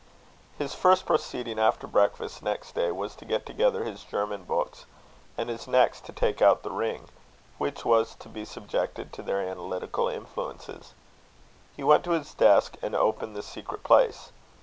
His first proceeding, after breakfast next day, was to get together his German books; and his next to take out the ring, which was to be subjected to their analytical influences. He went to his desk, and opened the secret place.